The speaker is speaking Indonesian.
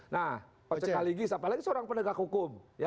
nah pak cekaligis apalagi seorang pendegak hukum